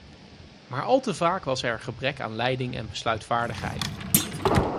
Maar al te vaak was er gebrek aan leiding en besluitvaardigheid.